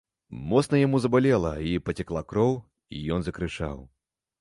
Моцна яму забалела, і пацякла кроў, і ён закрычаў.